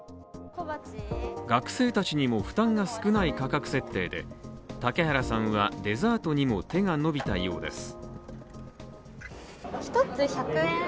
学生たちにも負担が少ない価格設定で嵩原さんはデザートにも手が伸びたようです。